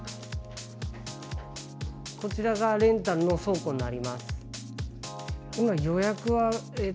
こちらがレンタルの倉庫になります。